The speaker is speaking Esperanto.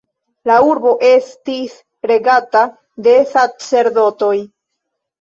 La urbo estis regata de sacerdotoj.